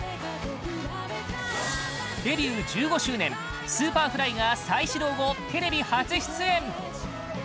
デビュー１５周年Ｓｕｐｅｒｆｌｙが再始動後、テレビ初出演！